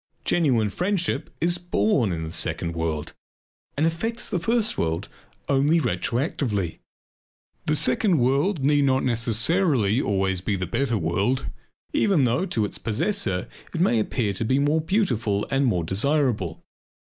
Genuine friendship is born in the second world and affects the first world only retroactively. The second world need not necessarily always be the better world even though to its possessor it may appear to be the more beautiful and the more desirable.